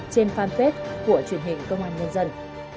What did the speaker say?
trên fanpage của truyền hình công an nhân dân